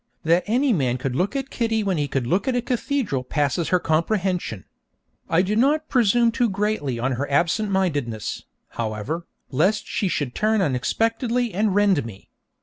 That any man could look at Kitty when he could look at a cathedral passes her comprehension. I do not presume too greatly on her absent mindedness, however, lest she should turn unexpectedly and rend me.